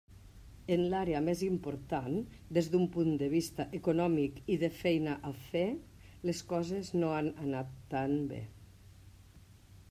En l'àrea més important, des d'un punt de vista econòmic i de feina a fer, les coses no han anat tan bé.